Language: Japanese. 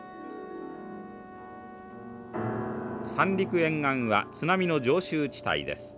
三陸沿岸は津波の常襲地帯です。